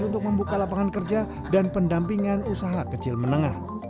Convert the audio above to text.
untuk membuka lapangan kerja dan pendampingan usaha kecil menengah